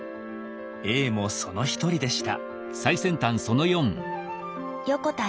英もその一人でした。